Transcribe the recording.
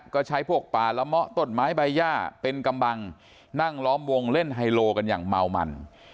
ก็ใช้พวกป่าละเมาะต้นไม้ใบย่าเป็นกำบังนั่งล้อมวงเล่นไฮโลกันอย่างเมามัน